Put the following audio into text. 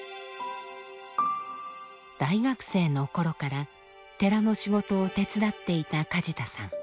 大学生の頃から寺の仕事を手伝っていた梶田さん。